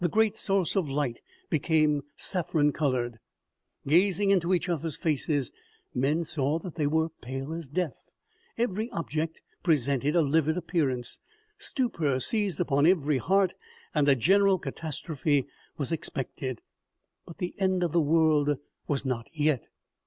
great source of light became saffron colored ; gazing into each others faces men saw that they were pale as death ; every object presented a livid appearance ; stupor seized upon every heart and a general catastrophe was expected." But the end of the world was not yet.